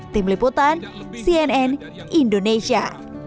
tim liputan cnn indonesia